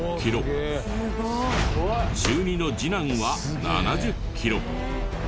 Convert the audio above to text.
中２の次男は７０キロ。